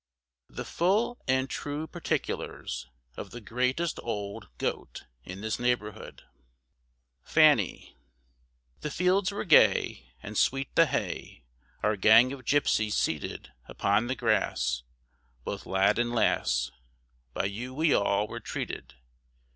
The Full & True Particulars OF THE GREATEST OLD [Illustration: Goat] IN THIS NEIGHBOURHOOD. FANNY. The fields were gay, And sweet the hay, Our gang of gypsies seated Upon the grass, Both lad and lass, By you we all were treated.